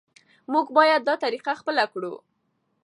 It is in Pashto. موږ باید دا طریقه خپله کړو.